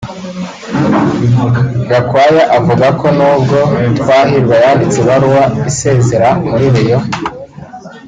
Gakwaya avuga ko nubwo Twahirwa yanditse ibaruwa isezera muri Rayon